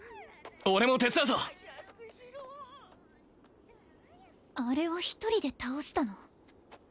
俺も手伝うぞあれを一人で倒したの？